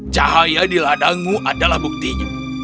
cahaya di ladangmu adalah buktinya